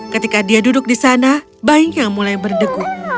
ketika dia duduk di sana bayinya mulai berdegup